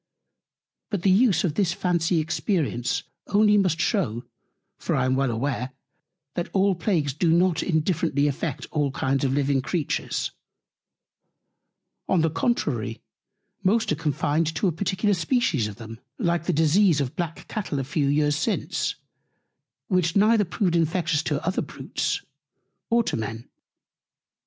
But the Use of this Fancy Experience only must shew; for I am well aware, that all Plagues do not indifferently affect all Kinds of living Creatures; on the contrary, most are confined to a particular Species of them; like the Disease of the Black Cattle a few Years since, which neither proved Infectious to other Brutes, nor to Men.